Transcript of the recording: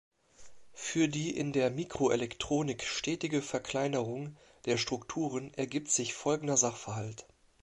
Für die in der Mikroelektronik stetige Verkleinerung der Strukturen ergibt sich folgender Sachverhalt.